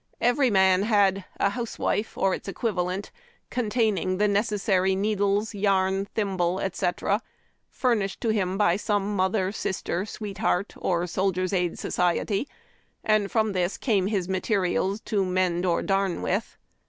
Every man had a "housewife" or its equivalent, containing the necessary needles, yarn, thimble, etc., furnished him by some mother, sister, sweetheart, or Soldier's Aid Society, and from this came his materials to mend or darn with.